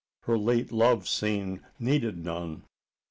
Her late love scene needed none.